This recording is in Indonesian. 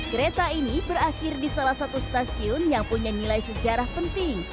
kereta ini berakhir di salah satu stasiun yang punya nilai sejarah penting